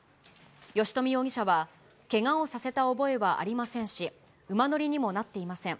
吉冨容疑者はけがをさせた覚えはありませんし、馬乗りにもなっていません。